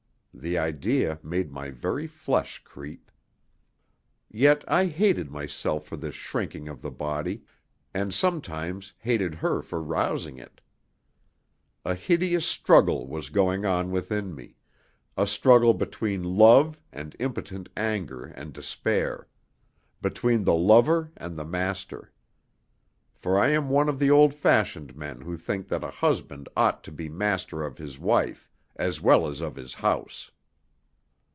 The idea made my very flesh creep. Yet I hated myself for this shrinking of the body, and sometimes hated her for rousing it. A hideous struggle was going on within me a struggle between love and impotent anger and despair, between the lover and the master. For I am one of the old fashioned men who think that a husband ought to be master of his wife as well as of his house.